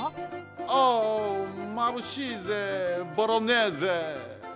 オーまぶしいぜボロネーゼ！